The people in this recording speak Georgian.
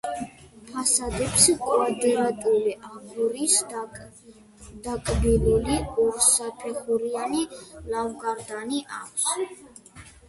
ფასადებს კვადრატული აგურის დაკბილული ორსაფეხურიანი ლავგარდანი აქვს.